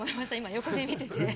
横で見てて。